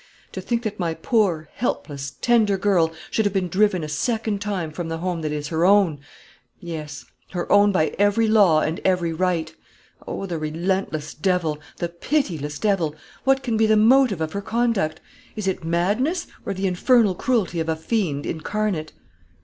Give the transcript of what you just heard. To think that my poor, helpless, tender girl should have been driven a second time from the home that is her own! Yes; her own by every law and every right. Oh, the relentless devil, the pitiless devil! what can be the motive of her conduct? Is it madness, or the infernal cruelty of a fiend incarnate?"